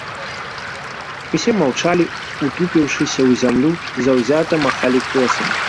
Усе маўчалі, утупіўшыся ў зямлю, заўзята махалі косамі.